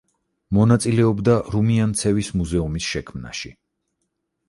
მონაწილეობდა რუმიანცევის მუზეუმის შექმნაში.